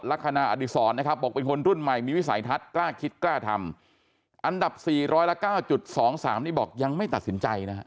อันดับ๔ร้อยละ๙๒๓นี่บอกยังไม่ตัดสินใจนะฮะ